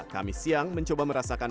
kami siang mencoba merasakan